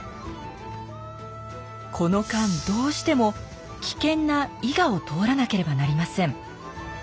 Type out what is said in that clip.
この間どうしても危険な伊賀を通らなければなりません